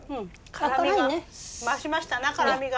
辛みが増しましたな辛みが。